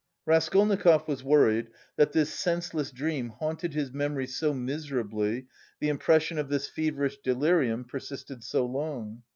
Raskolnikov was worried that this senseless dream haunted his memory so miserably, the impression of this feverish delirium persisted so long.